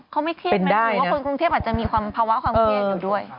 เขาไม่เครียดไม่ได้หรือว่าคนกรุงเทพอาจจะมีความภาวะความเครียดอยู่ด้วย